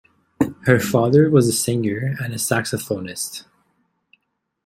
Her father was a singer and a saxophonist.